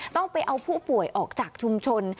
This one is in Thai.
ต้องไปเอาผู้ป่วยออกจากชุมชน